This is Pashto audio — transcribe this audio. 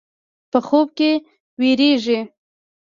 په خوب کې وېرېږي.